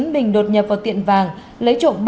bình đột nhập vào tiệm vàng lấy trộm